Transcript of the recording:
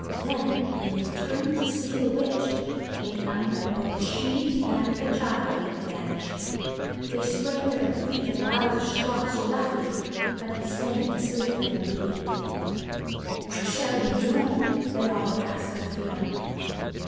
Then, when they turned to see to the witch, they found that both she and the child had vanished. They sprang to their feet and roused Chluas roughly. But he sank to sleep again immediately. ' What shall we do ?' they all asked of Fion.